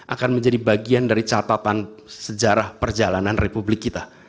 akan menjadi bagian dari catatan sejarah perjalanan republik kita